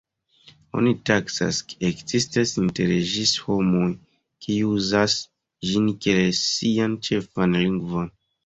Oni taksas, ke ekzistas inter ĝis homoj, kiuj uzas ĝin kiel sian ĉefan lingvon.